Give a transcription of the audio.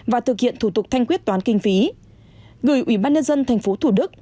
và thực hiện thủ tục thanh quyết toán kinh phí gửi ủy ban nhân dân thành phố thủ đức